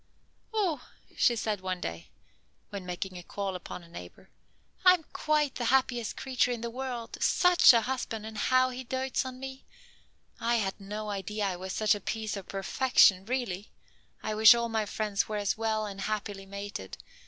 "O," she said one day, when making a call upon a neighbor, "I'm quite the happiest creature in the world. Such a husband, and how he dotes on me! I had no idea I was such a piece of perfection, really. I wish all my friends were as well and happily mated.